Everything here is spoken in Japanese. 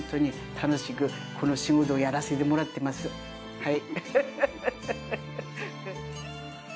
はい。